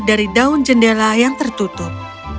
dari daun jendela yang tertutup